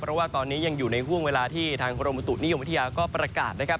เพราะว่าตอนนี้ยังอยู่ในห่วงเวลาที่ทางกรมบุตุนิยมวิทยาก็ประกาศนะครับ